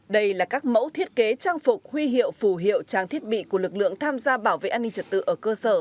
đây là các mẫu thiết kế trang phục huy hiệu phù hiệu trang thiết bị của lực lượng tham gia bảo vệ an ninh trật tự ở cơ sở